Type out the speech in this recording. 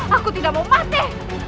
aku tidak mau mati